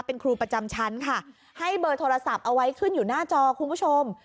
เป็นครูประจำชั้นค่ะให้เบอร์โทรศัพท์เอาไว้ขึ้นอยู่หน้าจอคุณผู้ชม